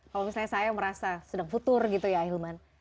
kalau misalnya saya merasa sedang futur gitu ya hilman